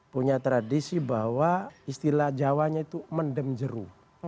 punya tradisi bahwa istilah jawanya itu mendemjeru